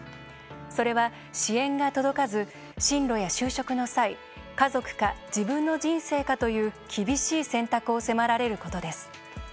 それは支援が届かず進路や就職の際家族か自分の人生かという厳しい選択を迫られることです。